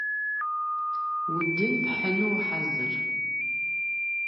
Удын пхьыну ухьэзыр?